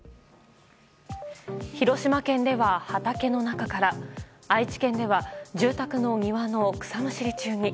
広島県では畑の中から愛知県では住宅の庭の草むしり中に。